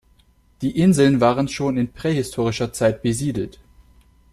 Die Inseln waren schon in prähistorischer Zeit besiedelt.